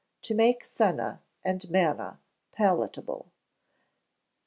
To make Senna and Manna Palatable.